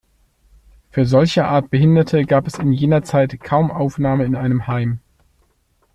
Für solcherart Behinderte gab es in jener Zeit kaum Aufnahme in einem Heim.